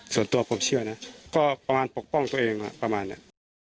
ส่วนตัวผมเชื่อนะก็ประมาณปกป้องตัวเองประมาณนั้น